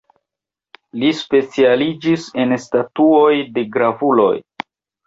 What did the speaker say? Li specialiĝis en statuoj de gravuloj.